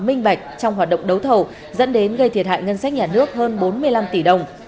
minh bạch trong hoạt động đấu thầu dẫn đến gây thiệt hại ngân sách nhà nước hơn bốn mươi năm tỷ đồng